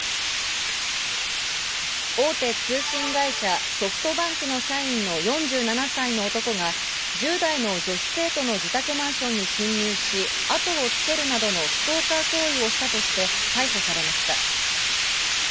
大手通信会社、ソフトバンクの社員の４７歳の男が、１０代の女子生徒の自宅マンションに侵入し、後をつけるなどのストーカー行為をしたとして逮捕されました。